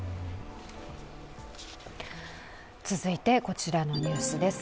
続いて、こちらのニュースです。